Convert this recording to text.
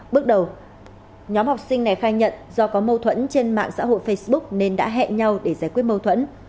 bước đầu nhóm học sinh này khai nhận do có mâu thuẫn trên mạng xã hội facebook nên đã hẹn nhau để giải quyết mâu thuẫn